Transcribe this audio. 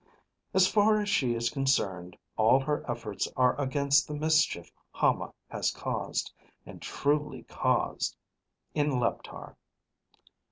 As far as she is concerned, all her efforts are against the mischief Hama has caused, and truly caused, in Leptar.